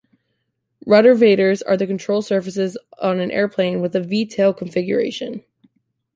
Ruddervators are the control surfaces on an airplane with a V-tail configuration.